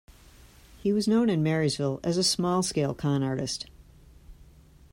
He was known in Marysville as a small-scale con artist.